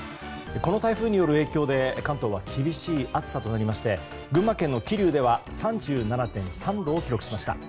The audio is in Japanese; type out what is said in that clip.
この台風による影響で関東は厳しい暑さとなりまして群馬県の桐生では３７．３度を記録しました。